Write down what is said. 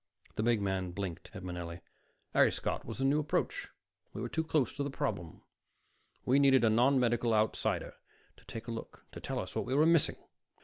The big man blinked at Manelli. "Harry Scott was the new approach. We were too close to the problem. We needed a nonmedical outsider to take a look, to tell us what we were missing.